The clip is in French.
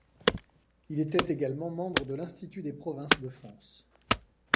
Il était également membre de l’Institut des Provinces de France.